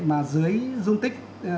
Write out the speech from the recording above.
mà dưới dung tích